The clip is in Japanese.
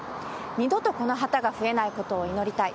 二度とこの旗が増えないことを祈りたい。